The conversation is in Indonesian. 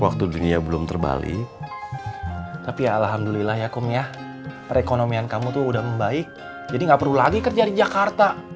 waktu dunia belum terbalik tapi ya alhamdulillah ya kum ya perekonomian kamu tuh udah membaik jadi nggak perlu lagi kerja di jakarta